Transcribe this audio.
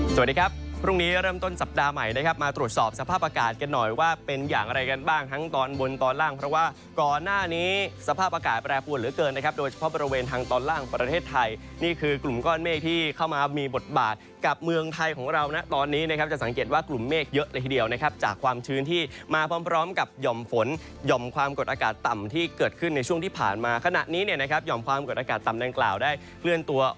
สวัสดีครับพรุ่งนี้เริ่มต้นสัปดาห์ใหม่นะครับมาตรวจสอบสภาพอากาศกันหน่อยว่าเป็นอย่างอะไรกันบ้างทั้งตอนบนตอนล่างเพราะว่าก่อนหน้านี้สภาพอากาศแปรผลหรือเกินนะครับโดยเฉพาะบริเวณทางตอนล่างประเทศไทยนี่คือกลุ่มก้อนเมฆที่เข้ามามีบทบาทกับเมืองไทยของเรานะตอนนี้นะครับจะสังเกตว่ากลุ่